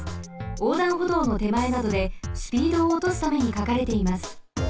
おうだんほどうのてまえなどでスピードをおとすためにかかれています。